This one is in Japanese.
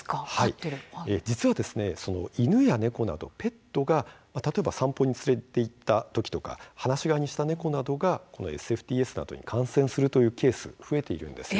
実は犬や猫など、ペットが散歩に連れて行った時とか放し飼いにした猫などがこのＳＦＴＳに感染するケースが増えているんです。